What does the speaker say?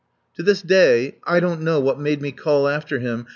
To this day I don't know what made me call after him.